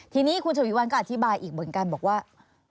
ทีนี้คุณฉวีวันก็อธิบายอีกเหมือนกันบอกว่า